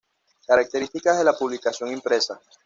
Características de la publicación impresa